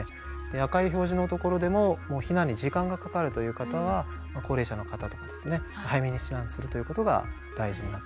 赤い表示のところでも避難に時間がかかるという方は高齢者の方とかですね早めに避難するということが大事になってきます。